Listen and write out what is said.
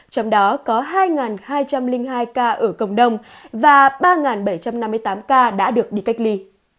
trong đó có hai hai trăm linh hai ca ở cộng đồng và ba bảy trăm năm mươi tám ca đã được đi cách ly